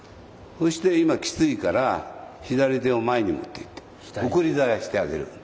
そして今きついから左手を前に持っていって送り鞘してあげる。